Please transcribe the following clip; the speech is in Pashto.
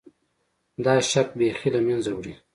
دا شک بیخي له منځه وړي.